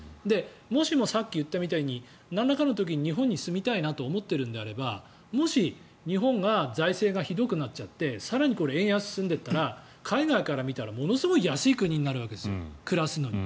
もしもさっき言ったみたいになんらかの時に日本に住みたいなと思っているのであればもし、日本が財政がひどくなっちゃって更に円安が進んでいったら海外から見たらものすごい安い国になるわけですよ、暮らすのに。